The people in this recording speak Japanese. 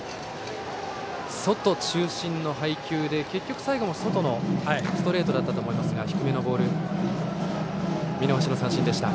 外中心の配球で結局最後も、外のストレートだったと思いますが低めのボール、見逃し三振でした。